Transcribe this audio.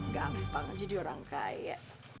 gampang jadi orang kaya